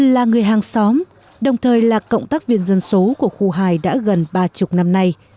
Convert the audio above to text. là người hàng xóm đồng thời là cộng tác viên dân số của khu hai đã gần ba mươi năm nay